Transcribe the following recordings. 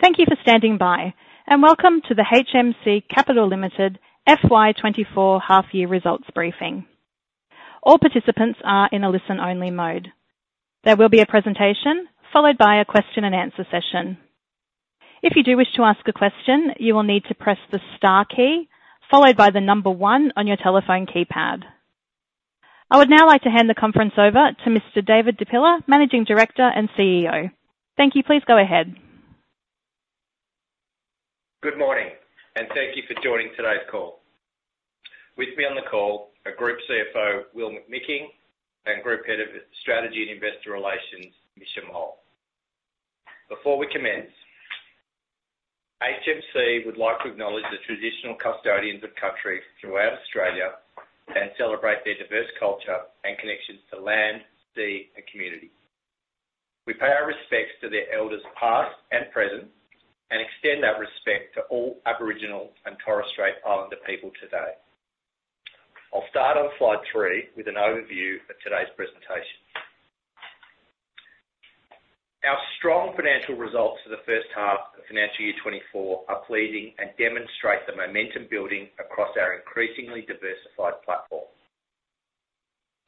Thank you for standing by, and welcome to the HMC Capital Limited FY24 half-year results briefing. All participants are in a listen-only mode. There will be a presentation followed by a question-and-answer session. If you do wish to ask a question, you will need to press the star key followed by the number one on your telephone keypad. I would now like to hand the conference over to Mr. David Di Pilla, Managing Director and CEO. Thank you. Please go ahead. Good morning, and thank you for joining today's call. With me on the call are Group CFO Will McMicking and Group Head of Strategy and Investor Relations, Misha Mohl. Before we commence, HMC would like to acknowledge the traditional custodians of country throughout Australia and celebrate their diverse culture and connections to land, sea, and community. We pay our respects to their elders past and present and extend that respect to all Aboriginal and Torres Strait Islander people today. I'll start on slide three with an overview of today's presentation. Our strong financial results for the first half of financial year 2024 are pleasing and demonstrate the momentum building across our increasingly diversified platform.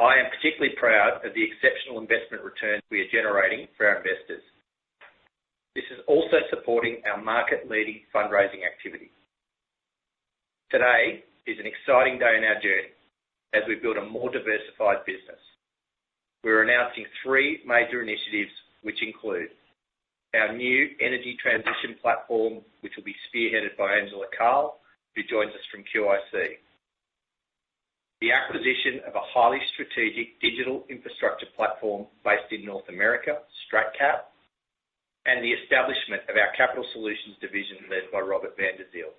I am particularly proud of the exceptional investment returns we are generating for our investors. This is also supporting our market-leading fundraising activity. Today is an exciting day in our journey as we build a more diversified business. We're announcing three major initiatives which include our new energy transition platform, which will be spearheaded by Angela Karl, who joins us from QIC, the acquisition of a highly strategic digital infrastructure platform based in North America, StratCap, and the establishment of our capital solutions division led by Robert Van der Zeel.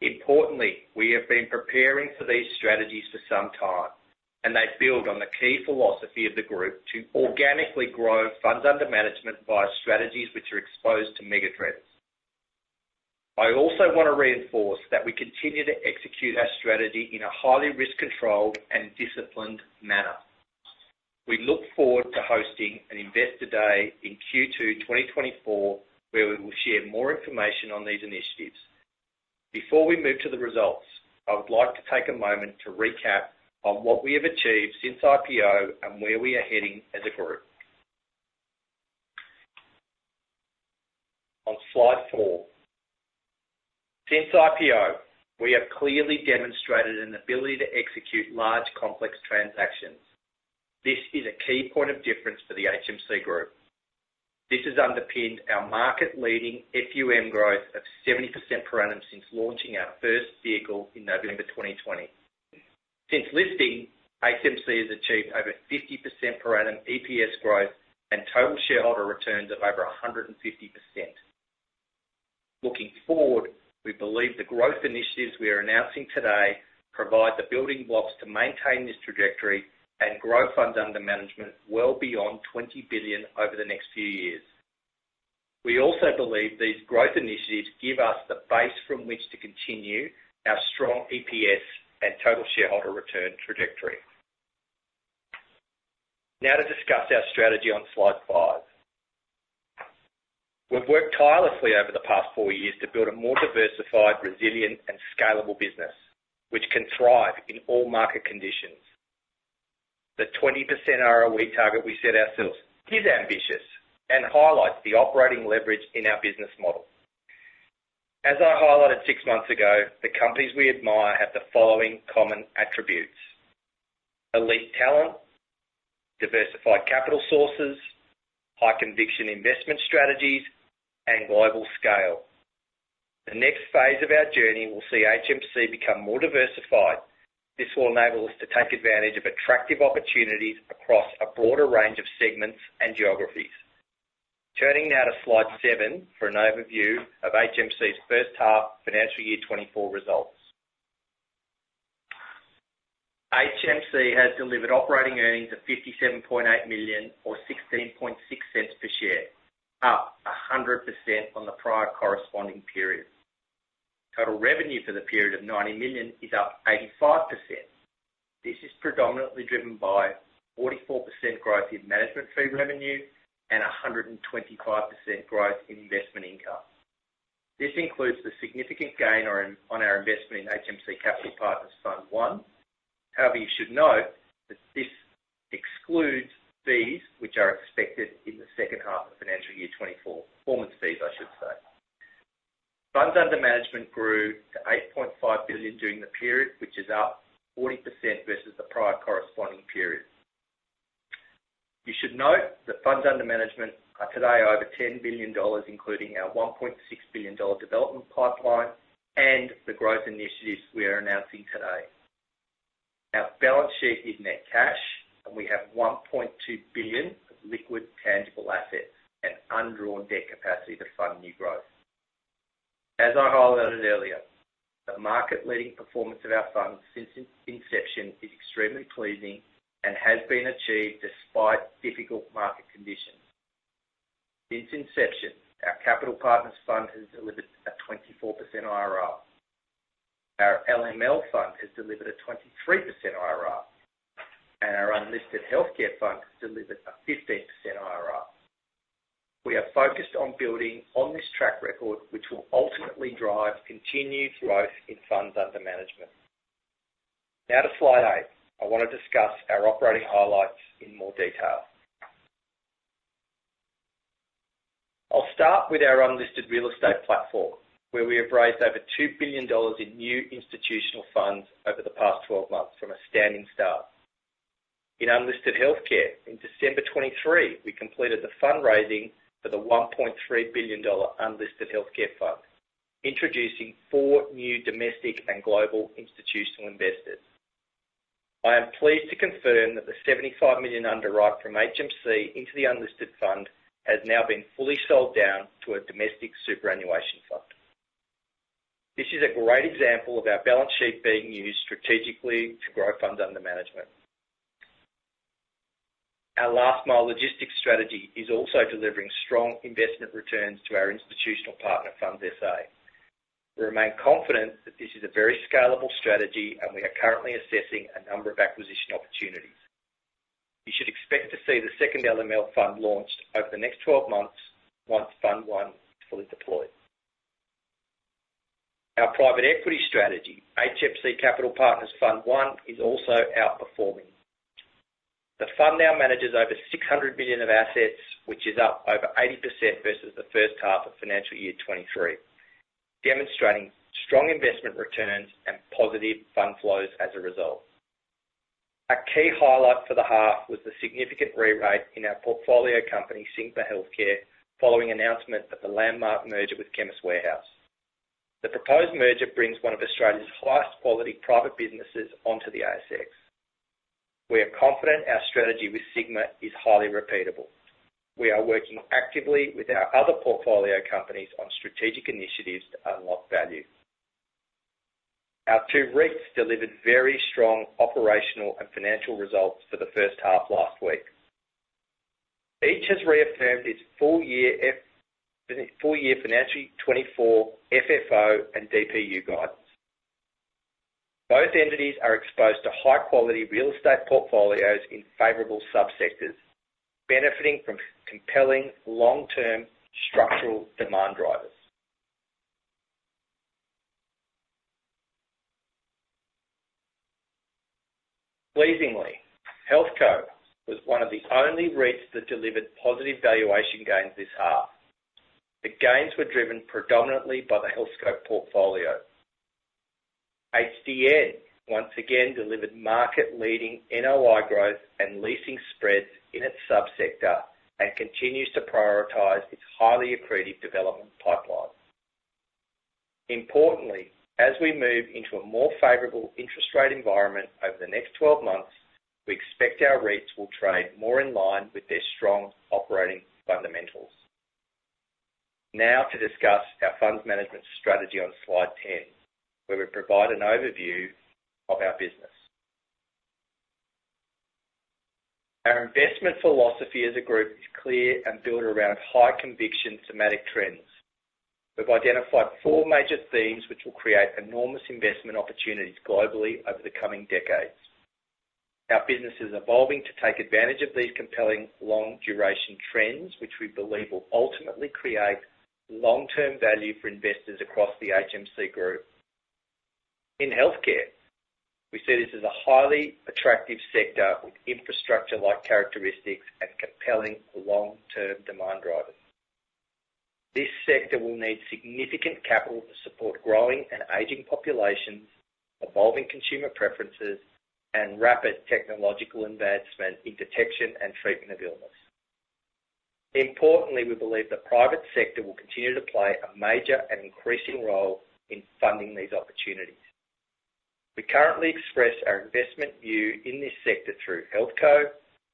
Importantly, we have been preparing for these strategies for some time, and they build on the key philosophy of the group to organically grow funds under management via strategies which are exposed to mega trends. I also want to reinforce that we continue to execute our strategy in a highly risk-controlled and disciplined manner. We look forward to hosting an Investor Day in Q2 2024 where we will share more information on these initiatives. Before we move to the results, I would like to take a moment to recap on what we have achieved since IPO and where we are heading as a group. On slide 4, since IPO, we have clearly demonstrated an ability to execute large, complex transactions. This is a key point of difference for the HMC group. This has underpinned our market-leading FUM growth of 70% per annum since launching our first vehicle in November 2020. Since listing, HMC has achieved over 50% per annum EPS growth and total shareholder returns of over 150%. Looking forward, we believe the growth initiatives we are announcing today provide the building blocks to maintain this trajectory and grow funds under management well beyond 20 billion over the next few years. We also believe these growth initiatives give us the base from which to continue our strong EPS and total shareholder return trajectory. Now to discuss our strategy on slide 5. We've worked tirelessly over the past 4 years to build a more diversified, resilient, and scalable business which can thrive in all market conditions. The 20% ROE target we set ourselves is ambitious and highlights the operating leverage in our business model. As I highlighted 6 months ago, the companies we admire have the following common attributes: elite talent, diversified capital sources, high-conviction investment strategies, and global scale. The next phase of our journey will see HMC become more diversified. This will enable us to take advantage of attractive opportunities across a broader range of segments and geographies. Turning now to slide 7 for an overview of HMC's first half financial year 2024 results. HMC has delivered operating earnings of 57.8 million or 0.166 per share, up 100% on the prior corresponding period. Total revenue for the period of 90 million is up 85%. This is predominantly driven by 44% growth in management fee revenue and 125% growth in investment income. This includes the significant gain on our investment in HMC Capital Partners Fund I. However, you should note that this excludes fees which are expected in the second half of financial year 2024, performance fees, I should say. Funds under management grew to 8.5 billion during the period, which is up 40% versus the prior corresponding period. You should note that funds under management are today over 10 billion dollars, including our 1.6 billion dollar development pipeline and the growth initiatives we are announcing today. Our balance sheet is net cash, and we have 1.2 billion of liquid tangible assets and undrawn debt capacity to fund new growth. As I highlighted earlier, the market-leading performance of our fund since inception is extremely pleasing and has been achieved despite difficult market conditions. Since inception, our Capital Partners Fund has delivered a 24% IRR. Our LML Fund has delivered a 23% IRR, and our Unlisted Healthcare Fund has delivered a 15% IRR. We are focused on building on this track record, which will ultimately drive continued growth in funds under management. Now to slide eight. I want to discuss our operating highlights in more detail. I'll start with our unlisted real estate platform, where we have raised over 2 billion dollars in new institutional funds over the past 12 months from a standing start. In unlisted healthcare, in December 2023, we completed the fundraising for the 1.3 billion dollar Unlisted Healthcare Fund, introducing four new domestic and global institutional investors. I am pleased to confirm that the 75 million underwrite from HMC into the unlisted fund has now been fully sold down to a domestic superannuation fund. This is a great example of our balance sheet being used strategically to grow funds under management. Our last-mile logistics strategy is also delivering strong investment returns to our institutional partner funds, SA. We remain confident that this is a very scalable strategy, and we are currently assessing a number of acquisition opportunities. You should expect to see the second LML fund launched over the next 12 months once Fund One is fully deployed. Our private equity strategy, HMC Capital Partners Fund One, is also outperforming. The fund now manages over 600 million of assets, which is up over 80% versus the first half of financial year 2023, demonstrating strong investment returns and positive fund flows as a result. A key highlight for the half was the significant re-rate in our portfolio company, Sigma Healthcare, following announcement of the landmark merger with Chemist Warehouse. The proposed merger brings one of Australia's highest-quality private businesses onto the ASX. We are confident our strategy with Sigma is highly repeatable. We are working actively with our other portfolio companies on strategic initiatives to unlock value. Our two REITs delivered very strong operational and financial results for the first half last week. Each has reaffirmed its full-year financial 2024 FFO and DPU guidance. Both entities are exposed to high-quality real estate portfolios in favorable subsectors, benefiting from compelling long-term structural demand drivers. Pleasingly, HealthCo was one of the only REITs that delivered positive valuation gains this half. The gains were driven predominantly by the HealthCo portfolio. HDN once again delivered market-leading NOI growth and leasing spreads in its subsector and continues to prioritize its highly accretive development pipeline. Importantly, as we move into a more favorable interest rate environment over the next 12 months, we expect our REITs will trade more in line with their strong operating fundamentals. Now to discuss our funds management strategy on slide 10, where we provide an overview of our business. Our investment philosophy as a group is clear and built around high-conviction thematic trends. We've identified four major themes which will create enormous investment opportunities globally over the coming decades. Our business is evolving to take advantage of these compelling long-duration trends, which we believe will ultimately create long-term value for investors across the HMC group. In healthcare, we see this as a highly attractive sector with infrastructure-like characteristics and compelling long-term demand drivers. This sector will need significant capital to support growing and aging populations, evolving consumer preferences, and rapid technological advancement in detection and treatment of illness. Importantly, we believe the private sector will continue to play a major and increasing role in funding these opportunities. We currently express our investment view in this sector through HealthCo,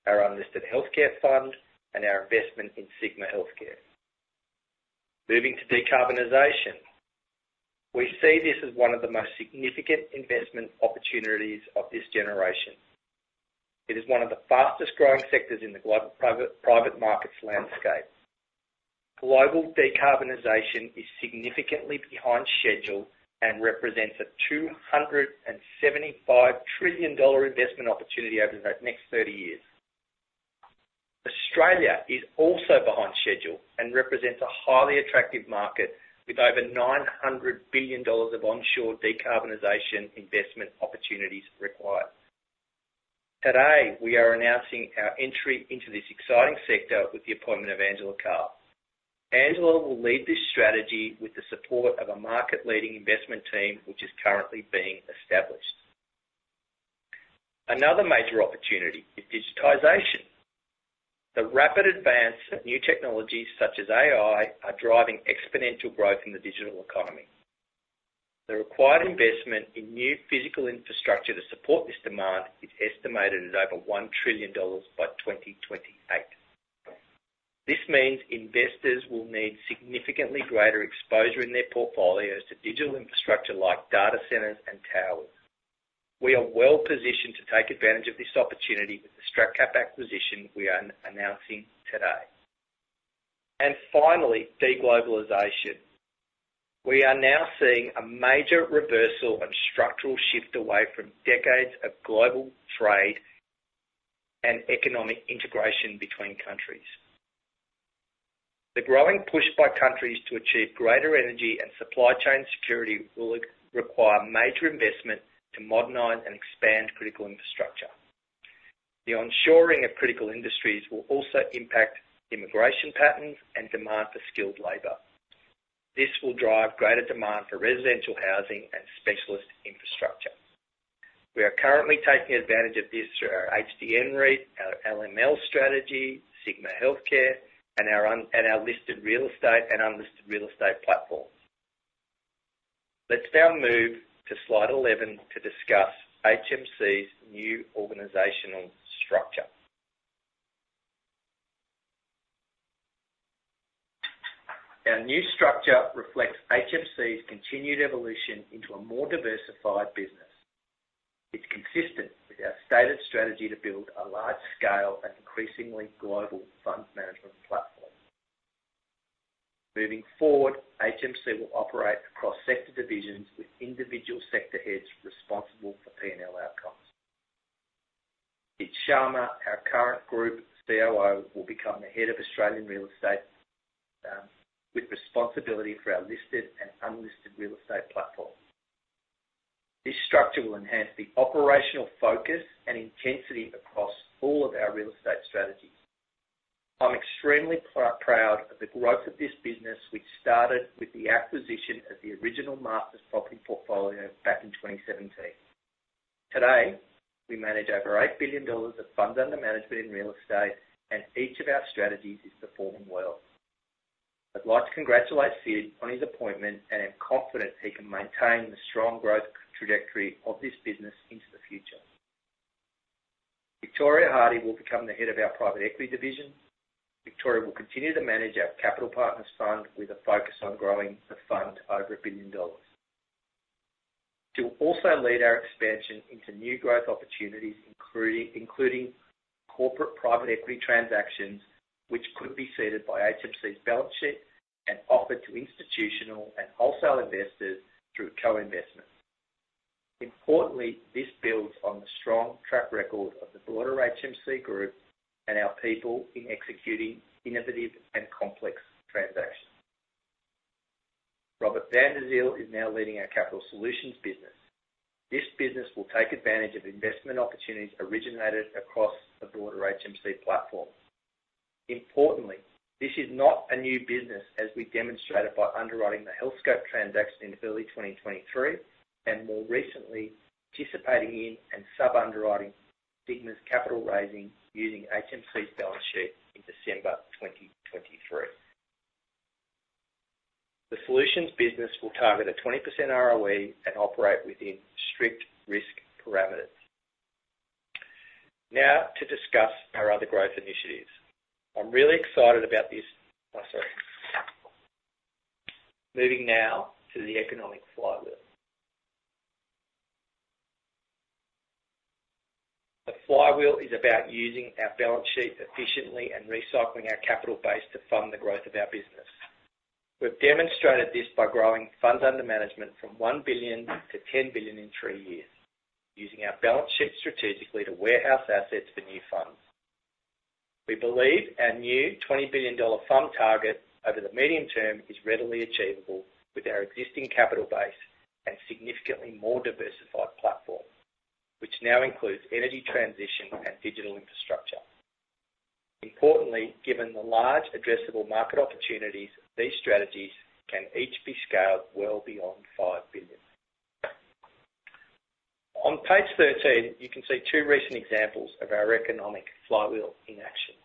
our unlisted healthcare fund, and our investment in Sigma Healthcare. Moving to decarbonization, we see this as one of the most significant investment opportunities of this generation. It is one of the fastest-growing sectors in the global private markets landscape. Global decarbonization is significantly behind schedule and represents a $275 trillion investment opportunity over the next 30 years. Australia is also behind schedule and represents a highly attractive market with over $900 billion of onshore decarbonization investment opportunities required. Today, we are announcing our entry into this exciting sector with the appointment of Angela Karl. Angela will lead this strategy with the support of a market-leading investment team which is currently being established. Another major opportunity is digitization. The rapid advance of new technologies such as AI is driving exponential growth in the digital economy. The required investment in new physical infrastructure to support this demand is estimated at over $1 trillion by 2028. This means investors will need significantly greater exposure in their portfolios to digital infrastructure like data centers and towers. We are well-positioned to take advantage of this opportunity with the StratCap acquisition we are announcing today. And finally, deglobalization. We are now seeing a major reversal and structural shift away from decades of global trade and economic integration between countries. The growing push by countries to achieve greater energy and supply chain security will require major investment to modernize and expand critical infrastructure. The onshoring of critical industries will also impact immigration patterns and demand for skilled labor. This will drive greater demand for residential housing and specialist infrastructure. We are currently taking advantage of this through our HDN REIT, our LML strategy, Sigma Healthcare, and our listed real estate and unlisted real estate platforms. Let's now move to slide 11 to discuss HMC's new organizational structure. Our new structure reflects HMC's continued evolution into a more diversified business. It's consistent with our stated strategy to build a large-scale and increasingly global fund management platform. Moving forward, HMC will operate across sector divisions with individual sector heads responsible for P&L outcomes. Sid Sharma, our current Group COO, will become the Head of Australian Real Estate with responsibility for our listed and unlisted real estate platform. This structure will enhance the operational focus and intensity across all of our real estate strategies. I'm extremely proud of the growth of this business which started with the acquisition of the original master's property portfolio back in 2017. Today, we manage over 8 billion dollars of funds under management in real estate, and each of our strategies is performing well. I'd like to congratulate Sid on his appointment and am confident he can maintain the strong growth trajectory of this business into the future. Victoria Hardy will become the head of our private equity division. Victoria will continue to manage our Capital Partners Fund with a focus on growing the fund to over 1 billion dollars. She will also lead our expansion into new growth opportunities, including corporate private equity transactions which could be seeded by HMC's balance sheet and offered to institutional and wholesale investors through co-investment. Importantly, this builds on the strong track record of the broader HMC group and our people in executing innovative and complex transactions. Robert Van der Zeel is now leading our capital solutions business. This business will take advantage of investment opportunities originated across the broader HMC platform. Importantly, this is not a new business as we demonstrated by underwriting the HealthCo transaction in early 2023 and more recently participating in and sub-underwriting Sigma's capital raising using HMC's balance sheet in December 2023. The solutions business will target a 20% ROE and operate within strict risk parameters. Now to discuss our other growth initiatives. Moving now to the economic flywheel. The flywheel is about using our balance sheet efficiently and recycling our capital base to fund the growth of our business. We've demonstrated this by growing funds under management from 1 billion to 10 billion in three years, using our balance sheet strategically to warehouse assets for new funds. We believe our new 20 billion dollar fund target over the medium term is readily achievable with our existing capital base and significantly more diversified platform, which now includes energy transition and digital infrastructure. Importantly, given the large addressable market opportunities, these strategies can each be scaled well beyond 5 billion. On page 13, you can see two recent examples of our economic flywheel in action.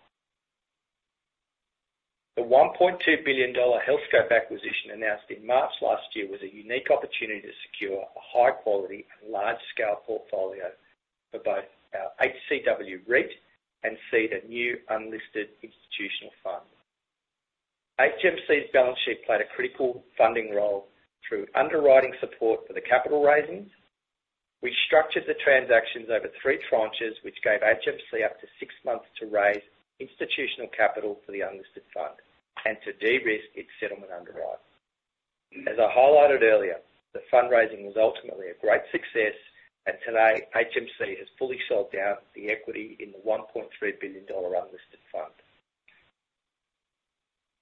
The 1.2 billion dollar HealthCo acquisition announced in March last year was a unique opportunity to secure a high-quality and large-scale portfolio for both our HCW REIT and seed, a new unlisted institutional fund. HMC's balance sheet played a critical funding role through underwriting support for the capital raisings. We structured the transactions over 3 tranches which gave HMC up to 6 months to raise institutional capital for the unlisted fund and to de-risk its settlement underwrite. As I highlighted earlier, the fundraising was ultimately a great success, and today, HMC has fully sold down the equity in the 1.3 billion dollar unlisted fund.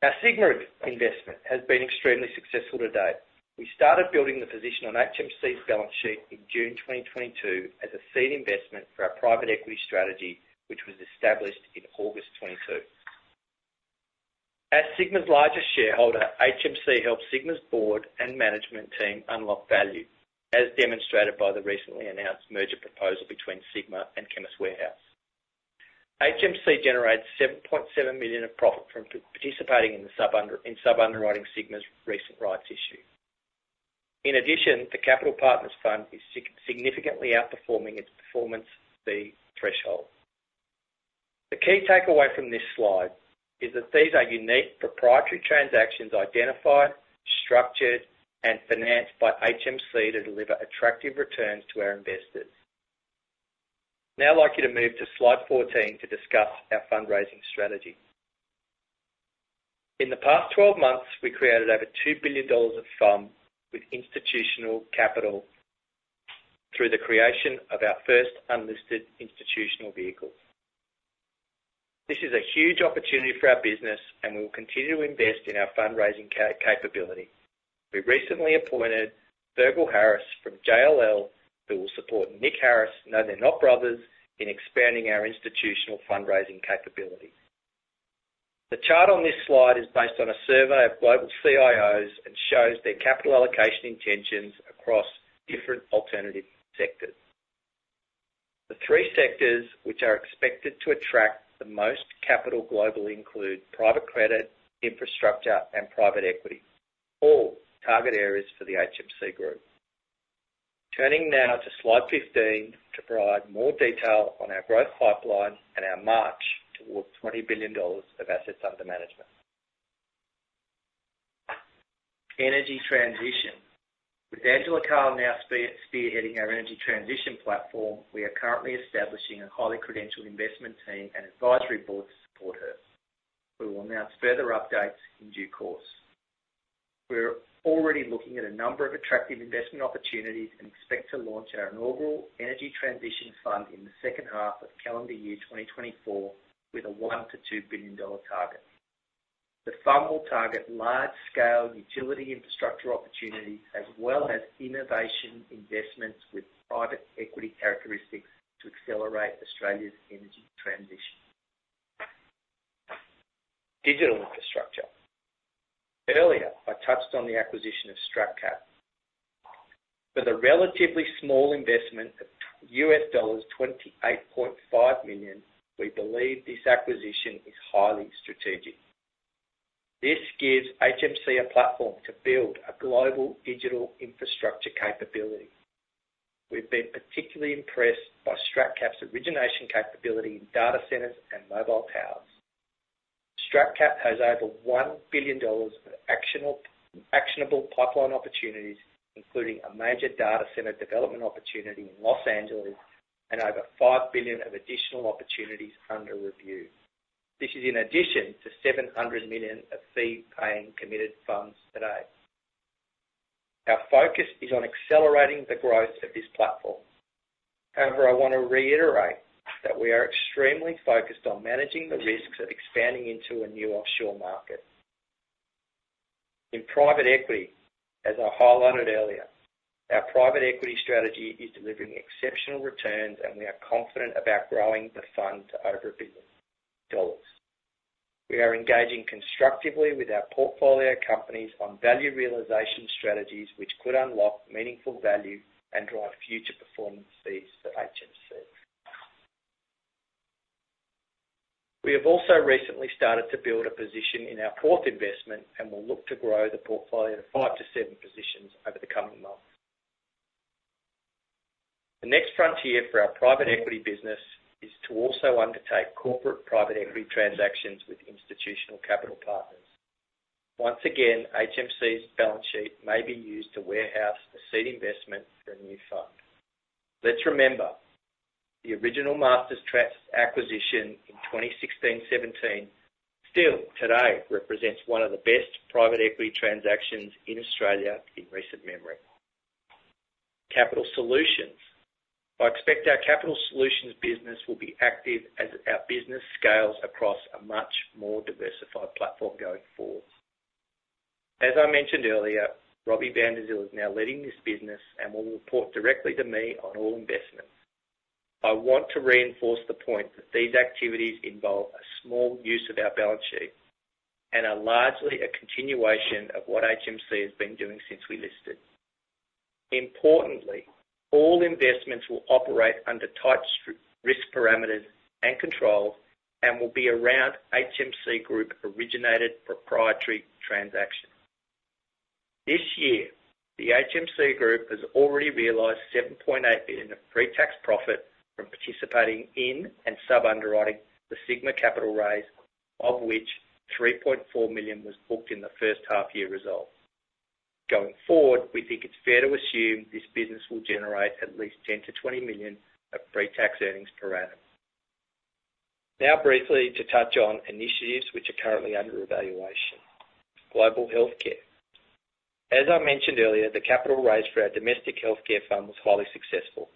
Our Sigma investment has been extremely successful to date. We started building the position on HMC's balance sheet in June 2022 as a seed investment for our private equity strategy which was established in August 2022. As Sigma's largest shareholder, HMC helps Sigma's board and management team unlock value, as demonstrated by the recently announced merger proposal between Sigma and Chemist Warehouse. HMC generates 7.7 million of profit from participating in sub-underwriting Sigma's recent rights issue. In addition, the Capital Partners Fund is significantly outperforming its performance fee threshold. The key takeaway from this slide is that these are unique proprietary transactions identified, structured, and financed by HMC to deliver attractive returns to our investors. Now, I'd like you to move to slide 14 to discuss our fundraising strategy. In the past 12 months, we created over 2 billion dollars of fund with institutional capital through the creation of our first unlisted institutional vehicles. This is a huge opportunity for our business, and we will continue to invest in our fundraising capability. We recently appointed Virgil Harris from JLL, who will support Nick Harris, Know They're Not Brothers, in expanding our institutional fundraising capability. The chart on this slide is based on a survey of global CIOs and shows their capital allocation intentions across different alternative sectors. The three sectors which are expected to attract the most capital globally include private credit, infrastructure, and private equity, all target areas for the HMC Group. Turning now to slide 15 to provide more detail on our growth pipeline and our march towards 20 billion dollars of assets under management. Energy transition. With Angela Karl now spearheading our energy transition platform, we are currently establishing a highly credentialed investment team and advisory board to support her. We will announce further updates in due course. We're already looking at a number of attractive investment opportunities and expect to launch our inaugural energy transition fund in the second half of calendar year 2024 with an 1 billion-2 billion dollar target. The fund will target large-scale utility infrastructure opportunities as well as innovation investments with private equity characteristics to accelerate Australia's energy transition. Digital infrastructure. Earlier, I touched on the acquisition of StratCap. For the relatively small investment of $28.5 million, we believe this acquisition is highly strategic. This gives HMC a platform to build a global digital infrastructure capability. We've been particularly impressed by StratCap's origination capability in data centers and mobile towers. StratCap has over $1 billion of actionable pipeline opportunities, including a major data center development opportunity in Los Angeles and over $5 billion of additional opportunities under review. This is in addition to $700 million of fee-paying committed funds today. Our focus is on accelerating the growth of this platform. However, I want to reiterate that we are extremely focused on managing the risks of expanding into a new offshore market. In private equity, as I highlighted earlier, our private equity strategy is delivering exceptional returns, and we are confident about growing the fund to over $1 billion. We are engaging constructively with our portfolio companies on value realization strategies which could unlock meaningful value and drive future performance fees for HMC. We have also recently started to build a position in our fourth investment, and we'll look to grow the portfolio to 5-7 positions over the coming months. The next frontier for our private equity business is to also undertake corporate private equity transactions with institutional Capital Partners. Once again, HMC's balance sheet may be used to warehouse the seed investment for a new fund. Let's remember, the original Masters acquisition in 2016/17 still today represents one of the best private equity transactions in Australia in recent memory. Capital solutions. I expect our capital solutions business will be active as our business scales across a much more diversified platform going forward. As I mentioned earlier, Robert Van der Zeel is now leading this business, and will report directly to me on all investments. I want to reinforce the point that these activities involve a small use of our balance sheet and are largely a continuation of what HMC has been doing since we listed. Importantly, all investments will operate under tight risk parameters and control and will be around HMC Group originated proprietary transactions. This year, the HMC Group has already realised 7.8 billion of pre-tax profit from participating in and sub-underwriting the Sigma capital raise, of which 3.4 million was booked in the first half year result. Going forward, we think it's fair to assume this business will generate at least 10 million-20 million of pre-tax earnings per annum. Now, briefly to touch on initiatives which are currently under evaluation. Global healthcare. As I mentioned earlier, the capital raise for our domestic healthcare fund was highly successful.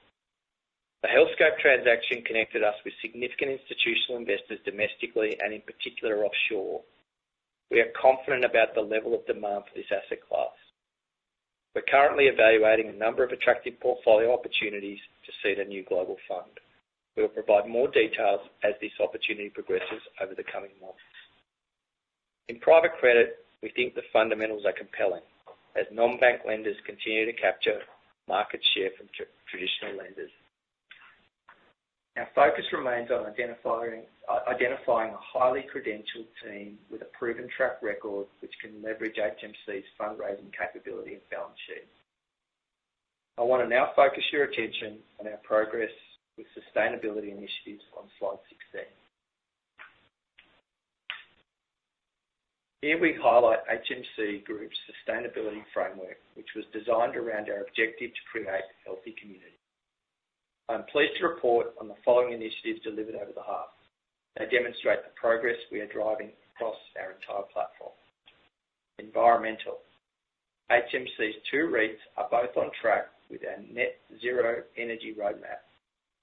The HealthCo transaction connected us with significant institutional investors domestically and, in particular, offshore. We are confident about the level of demand for this asset class. We're currently evaluating a number of attractive portfolio opportunities to seed a new global fund. We will provide more details as this opportunity progresses over the coming months. In private credit, we think the fundamentals are compelling as non-bank lenders continue to capture market share from traditional lenders. Our focus remains on identifying a highly credentialed team with a proven track record which can leverage HMC's fundraising capability and balance sheet. I want to now focus your attention on our progress with sustainability initiatives on slide 16. Here, we highlight HMC Group's sustainability framework which was designed around our objective to create a healthy community. I'm pleased to report on the following initiatives delivered over the half. They demonstrate the progress we are driving across our entire platform. Environmental. HMC's two REITs are both on track with our net-zero energy roadmap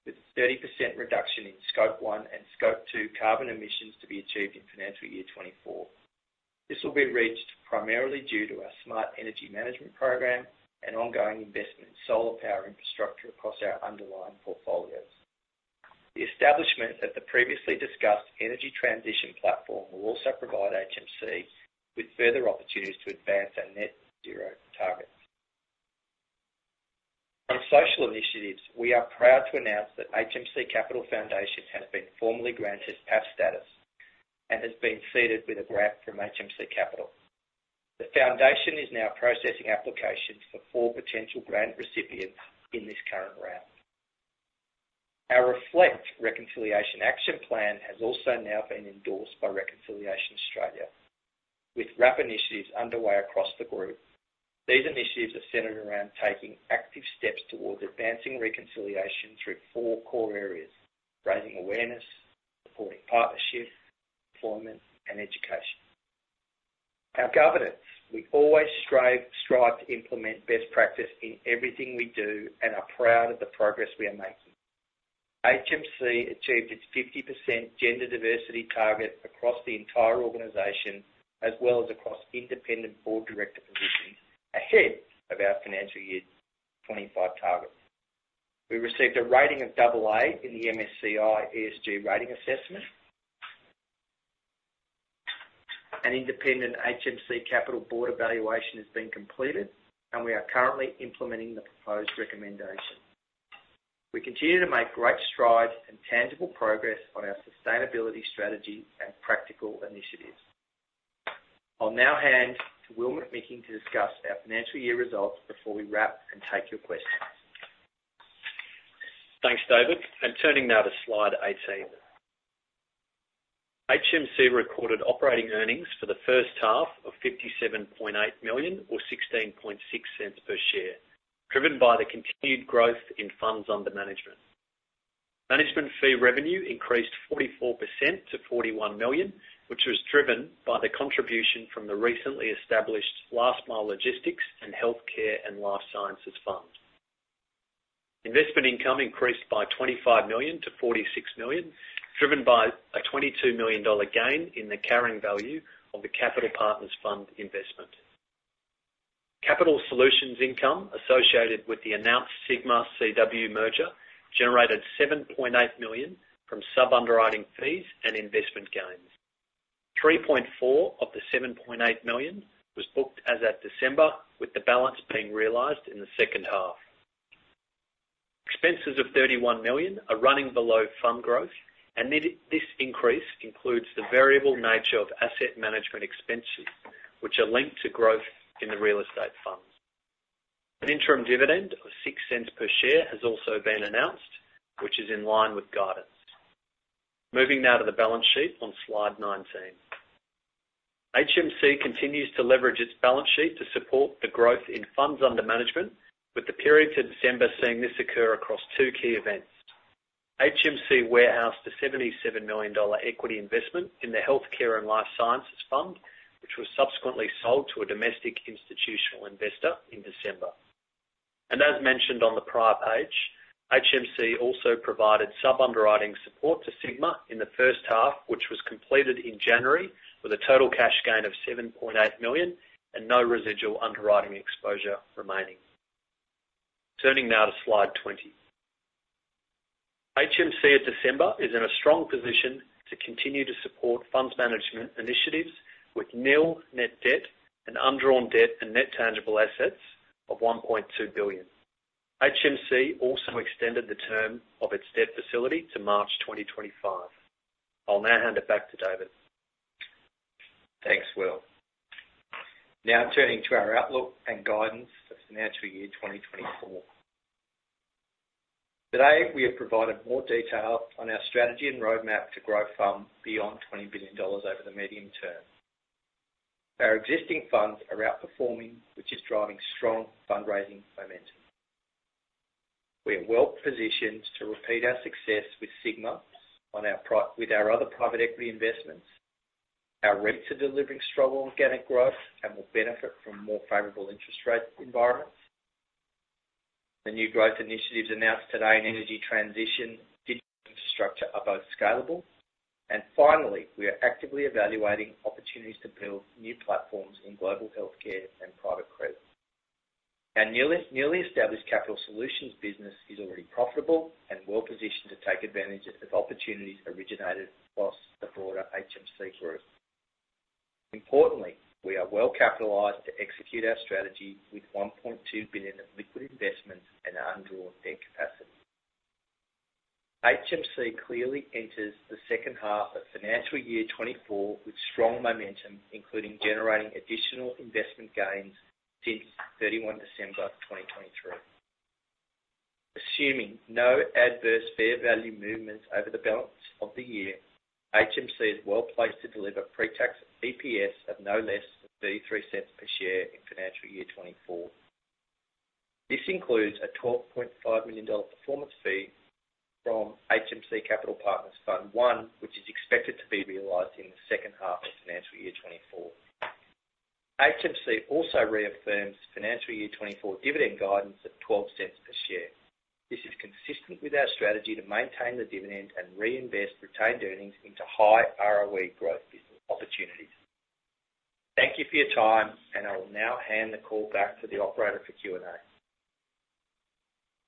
with a 30% reduction in scope one and scope two carbon emissions to be achieved in financial year 2024. This will be reached primarily due to our smart energy management program and ongoing investment in solar power infrastructure across our underlying portfolios. The establishment of the previously discussed energy transition platform will also provide HMC with further opportunities to advance our net-zero targets. On social initiatives, we are proud to announce that HMC Capital Foundation has been formally granted PAF status and has been seeded with a grant from HMC Capital. The foundation is now processing applications for four potential grant recipients in this current round. Our Reflect Reconciliation Action Plan has also now been endorsed by Reconciliation Australia. With RAP initiatives underway across the group, these initiatives are centered around taking active steps towards advancing reconciliation through four core areas: raising awareness, supporting partnership, employment, and education. Our governance. We always strive to implement best practice in everything we do and are proud of the progress we are making. HMC achieved its 50% gender diversity target across the entire organization as well as across independent board director positions ahead of our financial year 2025 targets. We received a rating of AA in the MSCI ESG rating assessment. An independent HMC Capital board evaluation has been completed, and we are currently implementing the proposed recommendation. We continue to make great strides and tangible progress on our sustainability strategy and practical initiatives. I'll now hand to Will McMicking to discuss our financial year results before we wrap and take your questions. Thanks, David. Turning now to slide 18. HMC recorded operating earnings for the first half of 57.8 million or 0.166 per share, driven by the continued growth in funds under management. Management fee revenue increased 44% to 41 million, which was driven by the contribution from the recently established Last Mile Logistics and Healthcare and Life Sciences Fund. Investment income increased by 25 million to 46 million, driven by a 22 million dollar gain in the carrying value of the Capital Partners fund investment. Capital solutions income associated with the announced Sigma CW merger generated 7.8 million from sub-underwriting fees and investment gains. 3.4 of the 7.8 million was booked as of December, with the balance being realized in the second half. Expenses of 31 million are running below fund growth, and this increase includes the variable nature of asset management expenses which are linked to growth in the real estate funds. An interim dividend of 0.06 per share has also been announced, which is in line with guidance. Moving now to the balance sheet on slide 19. HMC continues to leverage its balance sheet to support the growth in funds under management, with the period to December seeing this occur across two key events. HMC warehoused a 77 million dollar equity investment in the Healthcare and Life Sciences Fund, which was subsequently sold to a domestic institutional investor in December. As mentioned on the prior page, HMC also provided sub-underwriting support to Sigma in the first half, which was completed in January with a total cash gain of 7.8 million and no residual underwriting exposure remaining. Turning now to slide 20. HMC in December is in a strong position to continue to support funds management initiatives with nil net debt and undrawn debt and net tangible assets of 1.2 billion. HMC also extended the term of its debt facility to March 2025. I'll now hand it back to David. Thanks, Will. Now, turning to our outlook and guidance for financial year 2024. Today, we have provided more detail on our strategy and roadmap to grow fund beyond 20 billion dollars over the medium term. Our existing funds are outperforming, which is driving strong fundraising momentum. We are well positioned to repeat our success with Sigma with our other private equity investments. Our REITs are delivering strong organic growth and will benefit from more favorable interest rate environments. The new growth initiatives announced today in energy transition, digital infrastructure are both scalable. And finally, we are actively evaluating opportunities to build new platforms in global healthcare and private credit. Our newly established capital solutions business is already profitable and well positioned to take advantage of opportunities originated across the broader HMC Group. Importantly, we are well capitalized to execute our strategy with 1.2 billion of liquid investments and undrawn debt capacity. HMC clearly enters the second half of financial year 2024 with strong momentum, including generating additional investment gains since 31 December 2023. Assuming no adverse fair value movements over the balance of the year, HMC is well placed to deliver pre-tax EPS of no less than 0.33 per share in financial year 2024. This includes a 12.5 million dollar performance fee from HMC Capital Partners Fund One, which is expected to be realised in the second half of financial year 2024. HMC also reaffirms financial year 2024 dividend guidance at 0.12 per share. This is consistent with our strategy to maintain the dividend and reinvest retained earnings into high ROE growth business opportunities. Thank you for your time, and I will now hand the call back to the operator for Q&A.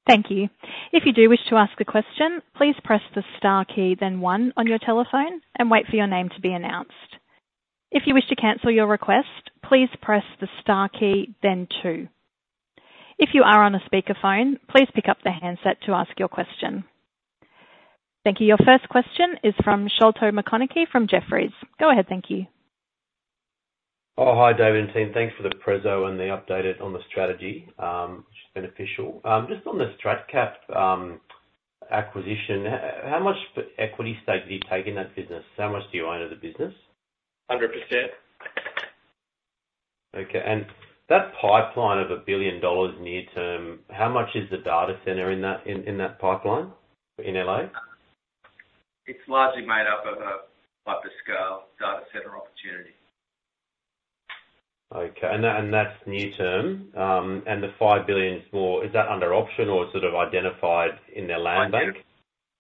Thank you. If you do wish to ask a question, please press the star key, then one, on your telephone and wait for your name to be announced. If you wish to cancel your request, please press the star key, then two. If you are on a speakerphone, please pick up the handset to ask your question. Thank you. Your first question is from Sholto Maconochie from Jefferies. Go ahead. Thank you. Hi, David and Tim. Thanks for the preso and the update on the strategy, which is beneficial. Just on the StratCap acquisition, how much equity stake did you take in that business? How much do you own of the business? 100%. Okay. And that pipeline of $1 billion near term, how much is the data center in that pipeline in L.A.? It's largely made up of a scale data center opportunity. Okay. And that's near term. And the $5 billion is more, is that under option or sort of identified in their land bank?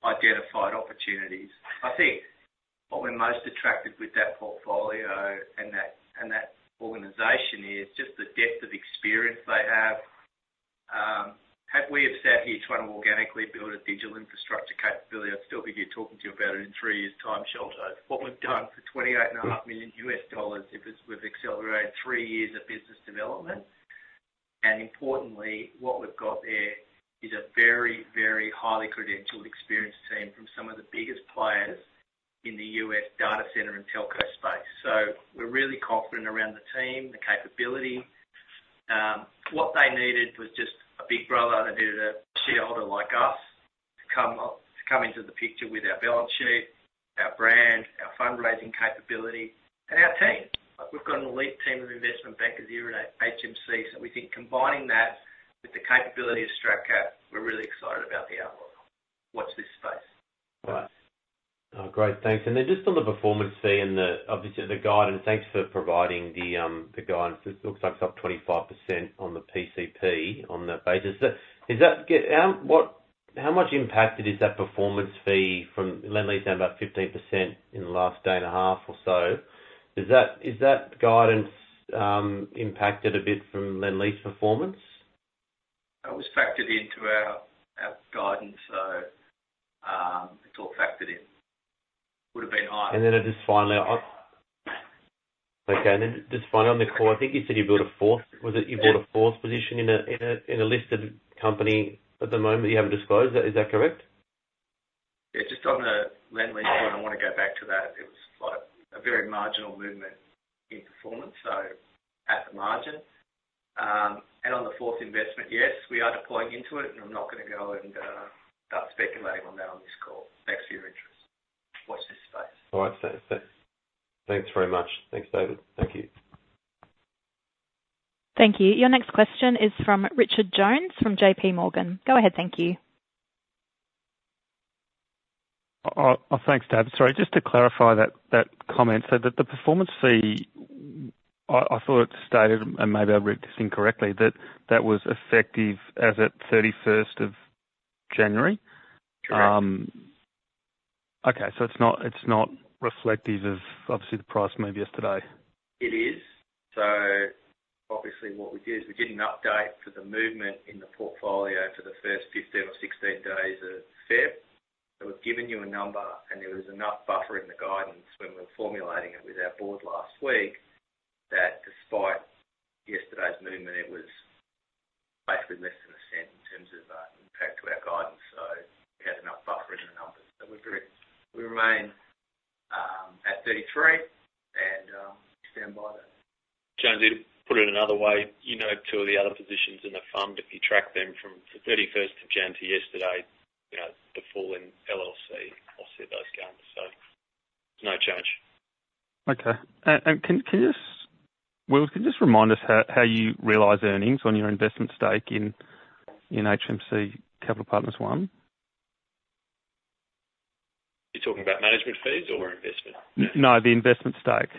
Identified opportunities. I think what we're most attracted with that portfolio and that organization is just the depth of experience they have. Had we sat here trying to organically build a digital infrastructure capability? I'd still be here talking to you about it in three years' time, Sholto. What we've done for $28.5 million, we've accelerated three years of business development. Importantly, what we've got there is a very, very highly credentialed experienced team from some of the biggest players in the U.S. data center and telco space. So we're really confident around the team, the capability. What they needed was just a big brother that needed a shareholder like us to come into the picture with our balance sheet, our brand, our fundraising capability, and our team. We've got an elite team of investment bankers here at HMC, so we think combining that with the capability of StratCap, we're really excited about the outlook. Watch this space. Right. Great. Thanks. Then just on the performance fee and obviously, the guidance, thanks for providing the guidance. This looks like it's up 25% on the PCP on that basis. How much impacted is that performance fee from Lendlease down about 15% in the last day and a half or so? Is that guidance impacted a bit from Lendlease performance? That was factored into our guidance, so it's all factored in. Would have been higher. And then just finally, okay. And then just finally, on the call, I think you said you built a fourth was it? You bought a fourth position in a listed company at the moment that you haven't disclosed. Is that correct? Yeah. Just on the Lendlease one, I want to go back to that. It was a very marginal movement in performance, so at the margin. And on the fourth investment, yes, we are deploying into it, and I'm not going to go and start speculating on that on this call. Thanks for your interest. Watch this space. All right. Thanks. Thanks very much. Thanks, David. Thank you. Thank you. Your next question is from Richard Jones fromJ.P. Morgan. Go ahead. Thank you. Thanks, David. Sorry. Just to clarify that comment. So the performance fee, I thought it's stated, and maybe I read this incorrectly, that that was effective as of 31st of January? Correct. Okay. So it's not reflective of, obviously, the price move yesterday? It is. So obviously, what we did is we did an update for the movement in the portfolio for the first 15 or 16 days of February. So we've given you a number, and there was enough buffer in the guidance when we were formulating it with our board last week that despite yesterday's movement, it was basically less than a cent in terms of impact to our guidance. So we had enough buffer in the numbers. So we remain at 33 and stand by that. Janete, to put it another way, two of the other positions in the fund, if you track them from 31st to Jan to yesterday, the full LLC will see those gains. So there's no change. Okay. And Will, can you just remind us how you realize earnings on your investment stake in HMC Capital Partners Fund I? You're talking about management fees or investment? No. The investment stake.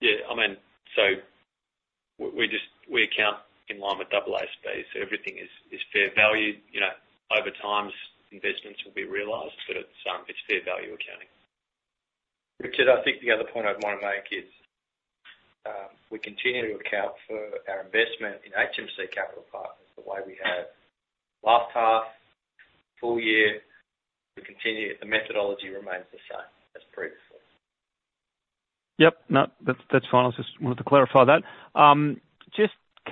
Yeah. I mean, so we account in line with AASB. So everything is fair value. Over time, investments will be realized, but it's fair value accounting. Richard, I think the other point I'd want to make is we continue to account for our investment in HMC Capital Partners the way we have last half, full year. The methodology remains the same as previously. Yep. No. That's fine. I just wanted to clarify that.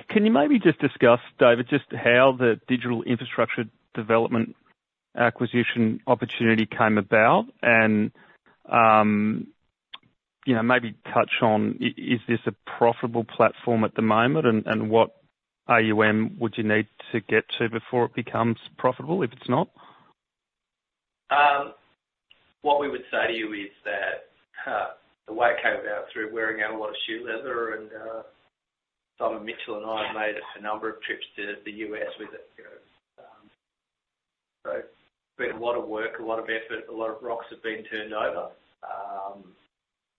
Can you maybe just discuss, David, just how the digital infrastructure development acquisition opportunity came about and maybe touch on, is this a profitable platform at the moment, and what AUM would you need to get to before it becomes profitable if it's not? What we would say to you is that the way it came about through wearing out a lot of shoe leather, and Simon Mitchell and I have made a number of trips to the US with it. So it's been a lot of work, a lot of effort. A lot of rocks have been turned over.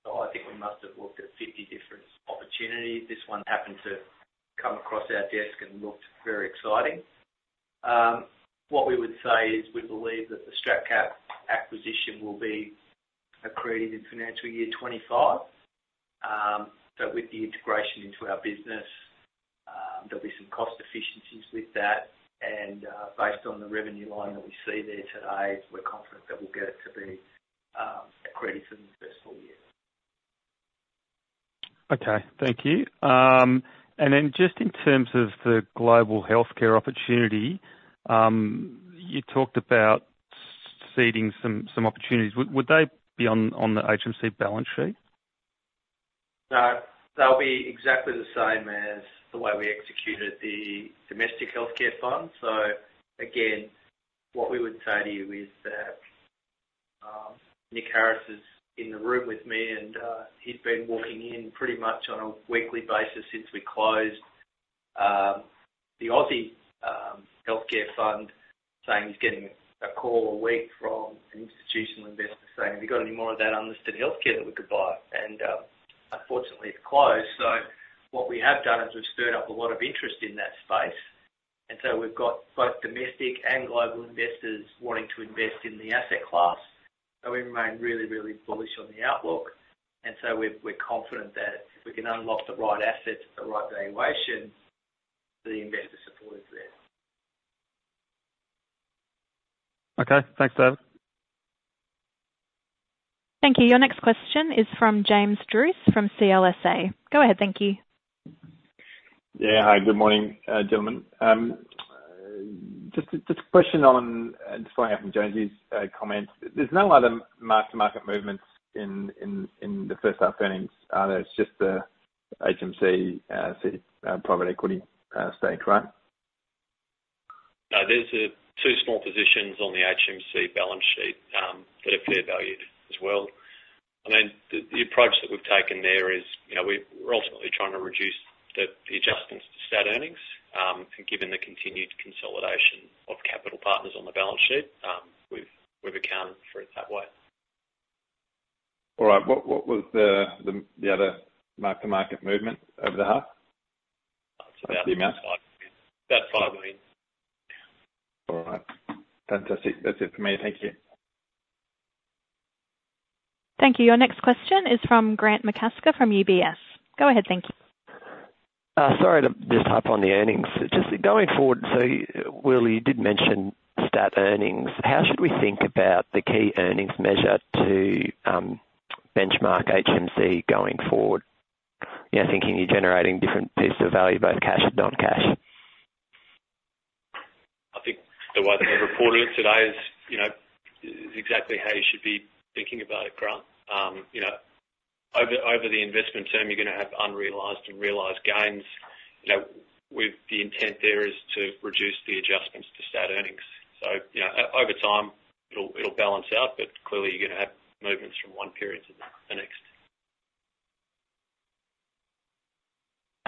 So I think we must have looked at 50 different opportunities. This one happened to come across our desk and looked very exciting. What we would say is we believe that the StratCap acquisition will be accrued in financial year 2025. So with the integration into our business, there'll be some cost efficiencies with that. And based on the revenue line that we see there today, we're confident that we'll get it to be accrued for the first full year. Okay. Thank you. And then just in terms of the global healthcare opportunity, you talked about seeding some opportunities. Would they be on the HMC balance sheet? No. They'll be exactly the same as the way we executed the domestic healthcare fund. So again, what we would say to you is that Nick Harris is in the room with me, and he's been walking in pretty much on a weekly basis since we closed the Aussie healthcare fund, saying he's getting a call a week from an institutional investor saying, "Have you got any more of that unlisted healthcare that we could buy?" And unfortunately, it's closed. So what we have done is we've stirred up a lot of interest in that space. And so we've got both domestic and global investors wanting to invest in the asset class. So we remain really, really bullish on the outlook. And so we're confident that if we can unlock the right assets at the right valuation, the investor support is there. Okay. Thanks, David. Thank you. Your next question is from James Druce from CLSA. Go ahead. Thank you. Yeah. Hi. Good morning, gentlemen. Just a question on just following up on Janete's comments. There's no other mark-to-market movements in the first half earnings, are there? It's just the HMC private equity stake, right? No. There's two small positions on the HMC balance sheet that are fair valued as well. I mean, the approach that we've taken there is we're ultimately trying to reduce the adjustments to SAT earnings. Given the continued consolidation of Capital Partners on the balance sheet, we've accounted for it that way. All right. What was the other mark-to-market movement over the half? It's about 5 million. About 5 million. All right. Fantastic. That's it for me. Thank you. Thank you. Your next question is from Grant McCasker from UBS. Go ahead. Thank you. Sorry to just hop on the earnings. Just going forward, so Will, you did mention SAT earnings. How should we think about the key earnings measure to benchmark HMC going forward, thinking you're generating different pieces of value, both cash and non-cash? I think the way that we've reported it today is exactly how you should be thinking about it, Grant. Over the investment term, you're going to have unrealized and realized gains. The intent there is to reduce the adjustments to SAT earnings. So over time, it'll balance out, but clearly, you're going to have movements from one period to the next.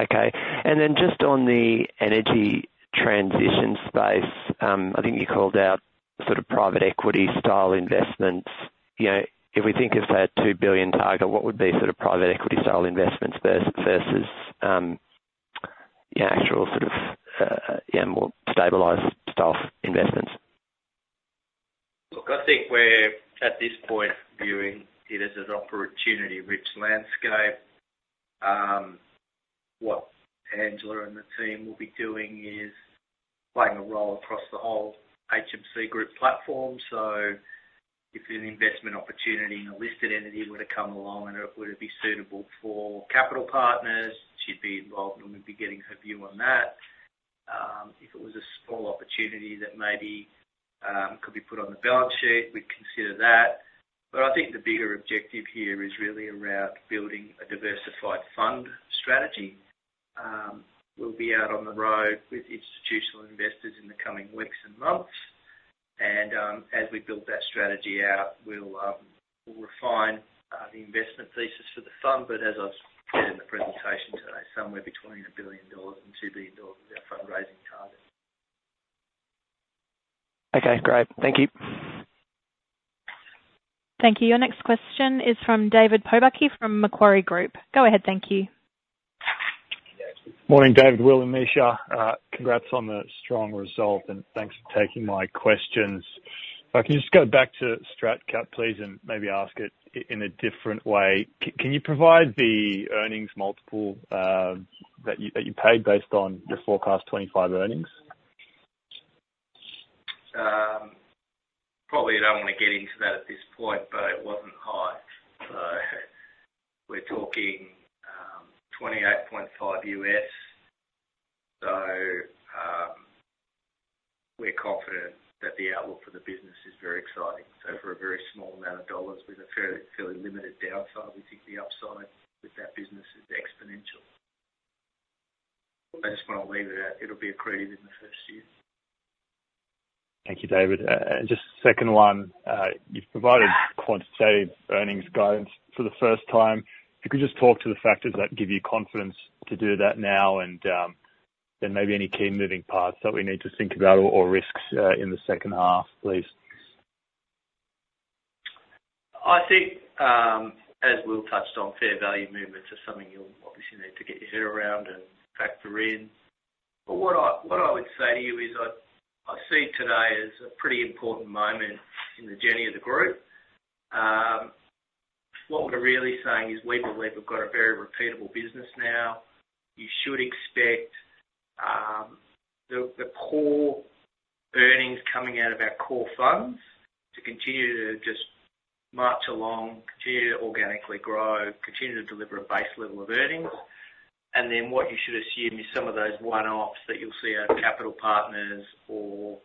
Okay. And then just on the energy transition space, I think you called out sort of private equity-style investments. If we think of, say, a 2 billion target, what would be sort of private equity-style investments versus actual sort of more stabilized style investments? Look, I think we're, at this point, viewing it as an opportunity-rich landscape. What Angela and the team will be doing is playing a role across the whole HMC group platform. So if an investment opportunity in a listed entity were to come along and it were to be suitable for Capital Partners, she'd be involved and we'd be getting her view on that. If it was a small opportunity that maybe could be put on the balance sheet, we'd consider that. But I think the bigger objective here is really around building a diversified fund strategy. We'll be out on the road with institutional investors in the coming weeks and months. As we build that strategy out, we'll refine the investment thesis for the fund. But as I said in the presentation today, somewhere between 1 billion dollars and 2 billion dollars is our fundraising target. Okay. Great. Thank you. Thank you. Your next question is from David Pobjoy from Macquarie Group. Go ahead. Thank you. Morning, David. Will and Misha, congrats on the strong result, and thanks for taking my questions. If I can just go back to StratCap, please, and maybe ask it in a different way. Can you provide the earnings multiple that you paid based on your forecast 2025 earnings? Probably I don't want to get into that at this point, but it wasn't high. So we're talking $28.5. So we're confident that the outlook for the business is very exciting. So for a very small amount of dollars with a fairly limited downside, we think the upside with that business is exponential. I just want to leave it at it'll be accrued in the first year. Thank you, David. And just second one, you've provided quantitative earnings guidance for the first time. If you could just talk to the factors that give you confidence to do that now and then maybe any key moving parts that we need to think about or risks in the second half, please. I think, as Will touched on, fair value movements are something you'll obviously need to get your head around and factor in. But what I would say to you is I see today as a pretty important moment in the journey of the group. What we're really saying is we believe we've got a very repeatable business now. You should expect the core earnings coming out of our core funds to continue to just march along, continue to organically grow, continue to deliver a base level of earnings. And then what you should assume is some of those one-offs that you'll see at Capital Partners or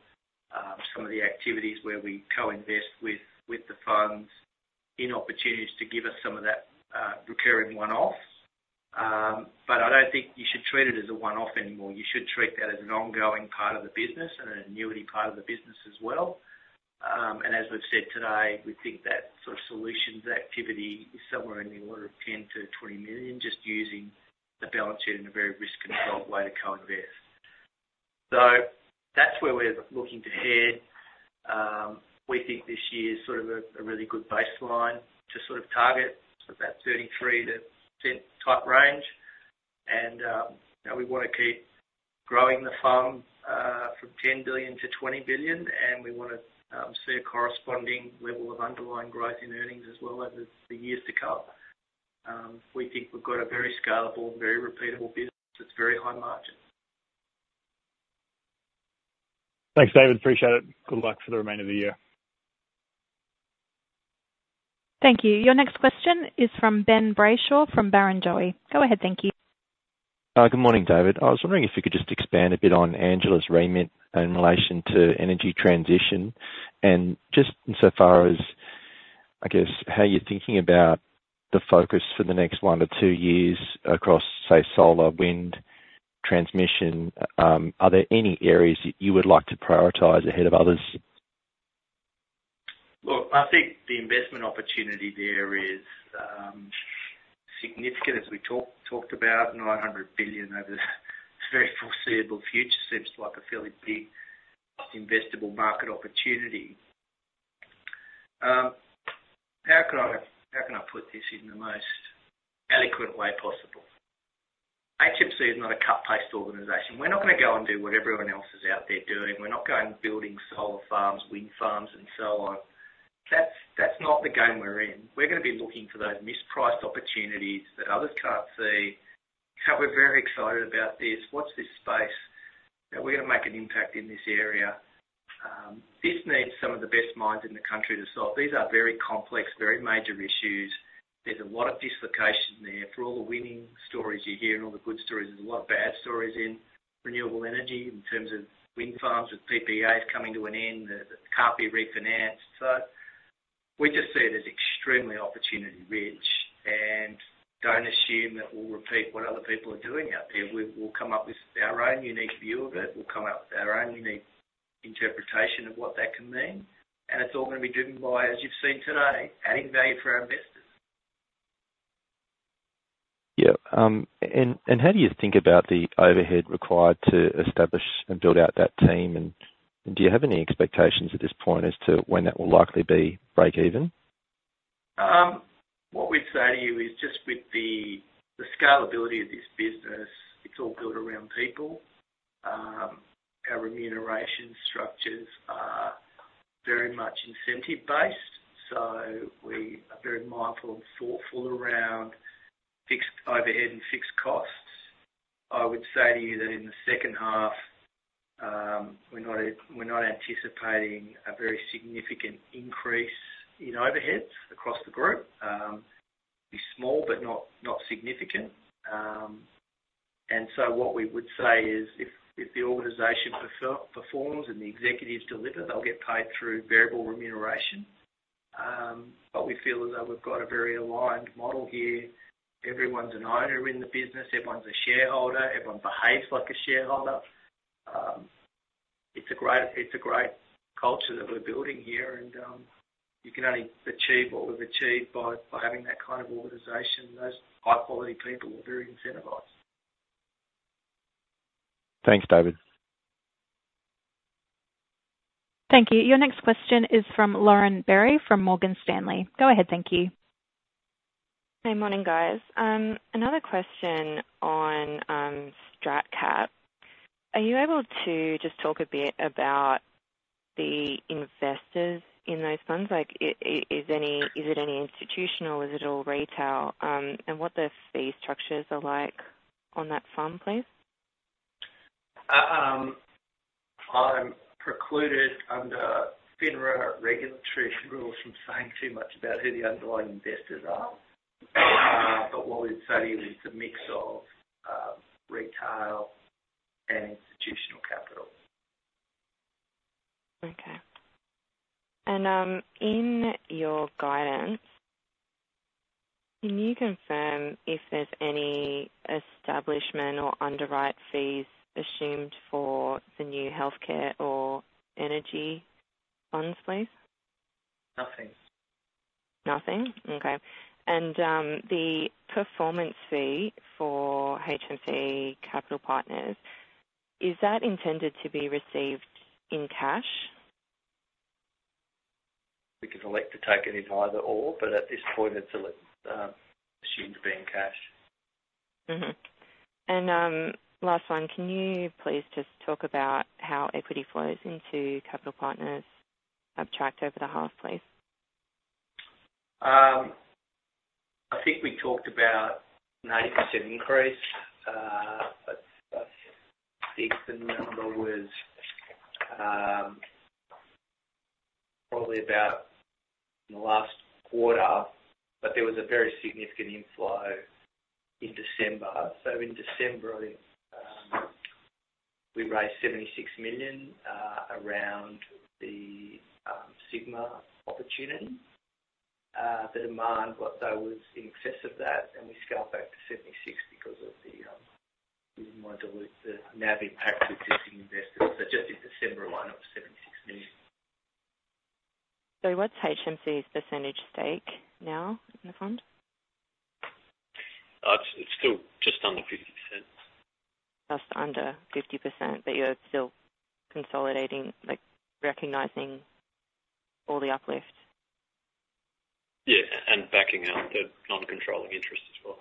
some of the activities where we co-invest with the funds in opportunities to give us some of that recurring one-off. But I don't think you should treat it as a one-off anymore. You should treat that as an ongoing part of the business and an annuity part of the business as well. And as we've said today, we think that sort of solutions activity is somewhere in the order of 10 million-20 million just using the balance sheet in a very risk-controlled way to co-invest. So that's where we're looking to head. We think this year is sort of a really good baseline to sort of target. So that's 33% type range. And we want to keep growing the fund from 10 billion-20 billion, and we want to see a corresponding level of underlying growth in earnings as well over the years to come. We think we've got a very scalable, very repeatable business that's very high margin. Thanks, David. Appreciate it. Good luck for the remainder of the year. Thank you. Your next question is from Ben Brayshaw from Barrenjoey. Go ahead. Thank you. Good morning, David. I was wondering if you could just expand a bit on Angela's remit in relation to energy transition and just insofar as, I guess, how you're thinking about the focus for the next one-to-two years across, say, solar, wind, transmission. Are there any areas that you would like to prioritize ahead of others? Look, I think the investment opportunity there is significant, as we talked about. 900 billion over the—it's a very foreseeable future. Seems like a fairly big investable market opportunity. How can I put this in the most adequate way possible? HMC is not a cut-paste organization. We're not going to go and do what everyone else is out there doing. We're not going and building solar farms, wind farms, and so on. That's not the game we're in. We're going to be looking for those mispriced opportunities that others can't see. We're very excited about this. What's this space? We're going to make an impact in this area. This needs some of the best minds in the country to solve. These are very complex, very major issues. There's a lot of dislocation there. For all the winning stories you hear and all the good stories, there's a lot of bad stories in renewable energy in terms of wind farms with PPAs coming to an end that can't be refinanced. So we just see it as extremely opportunity-rich. And don't assume that we'll repeat what other people are doing out there. We'll come up with our own unique view of it. We'll come up with our own unique interpretation of what that can mean. And it's all going to be driven by, as you've seen today, adding value for our investors. Yep. And how do you think about the overhead required to establish and build out that team? And do you have any expectations at this point as to when that will likely be break-even? What we'd say to you is just with the scalability of this business, it's all built around people. Our remuneration structures are very much incentive-based. We are very mindful and thoughtful around overhead and fixed costs. I would say to you that in the second half, we're not anticipating a very significant increase in overheads across the group. It'll be small but not significant. So what we would say is if the organization performs and the executives deliver, they'll get paid through variable remuneration. We feel as though we've got a very aligned model here. Everyone's an owner in the business. Everyone's a shareholder. Everyone behaves like a shareholder. It's a great culture that we're building here. You can only achieve what we've achieved by having that kind of organization. Those high-quality people are very incentivized. Thanks, David. Thank you. Your next question is from Lauren Berry from Morgan Stanley. Go ahead. Thank you. Hey. Morning, guys. Another question on StratCap. Are you able to just talk a bit about the investors in those funds? Is it any institutional? Is it all retail? And what the fee structures are like on that fund, please? I'm precluded under FINRA regulatory rules from saying too much about who the underlying investors are. But what we'd say to you is it's a mix of retail and institutional capital. Okay. And in your guidance, can you confirm if there's any establishment or underwrite fees assumed for the new healthcare or energy funds, please? Nothing. Nothing? Okay. And the performance fee for HMC Capital Partners, is that intended to be received in cash? We can elect to take it as either/or, but at this point, it's assumed to be in cash. And last one, can you please just talk about how equity flows into Capital Partners have tracked over the half, please? I think we talked about an 80% increase. I think the number was probably about in the last quarter, but there was a very significant inflow in December. So in December, I think we raised 76 million around the Sigma opportunity. The demand, what though, was in excess of that, and we scaled back to 76 million because we didn't want to dilute the NAV impact to existing investors. So just in December alone, it was AUD 76 million. So what's HMC's percentage stake now in the fund? It's still just under 50%. Just under 50%, but you're still consolidating, recognizing all the uplift? Yeah. And backing out the non-controlling interest as well.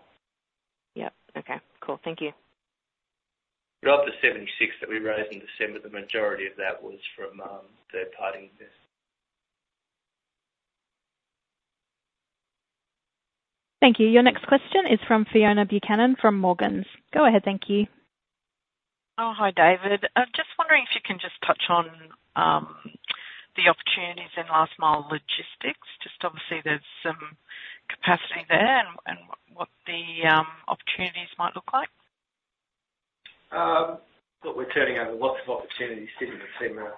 Yep. Okay. Cool. Thank you. But of the 76 million that we raised in December, the majority of that was from third-party investors. Thank you. Your next question is from Fiona Buchanan from Morgans. Go ahead. Thank you. Oh, hi, David. I'm just wondering if you can just touch on the opportunities in last-mile logistics. Just obviously, there's some capacity there and what the opportunities might look like. Look, we're turning over lots of opportunities sitting at AUD 100 million.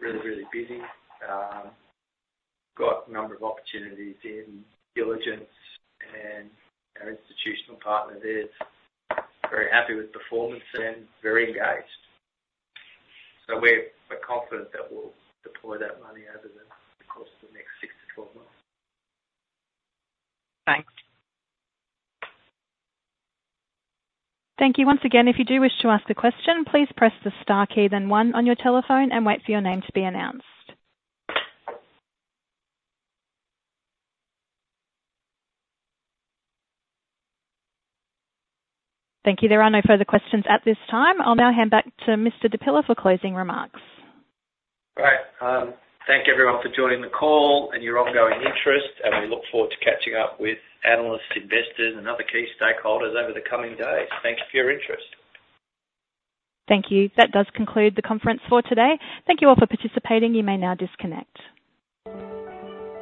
Really, really busy. Got a number of opportunities in diligence, and our institutional partner there's very happy with performance and very engaged. So we're confident that we'll deploy that money over the course of the next 6-12 months. Thanks. Thank you. Once again, if you do wish to ask a question, please press the star key then 1 on your telephone and wait for your name to be announced. Thank you. There are no further questions at this time. I'll now hand back to Mr. Di Pilla for closing remarks. Great. Thank everyone for joining the call and your ongoing interest. We look forward to catching up with analysts, investors, and other key stakeholders over the coming days. Thanks for your interest. Thank you. That does conclude the conference for today. Thank you all for participating. You may now disconnect.